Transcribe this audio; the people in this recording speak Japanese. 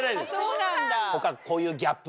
そうなんだ。